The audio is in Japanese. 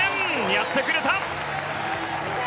やってくれた！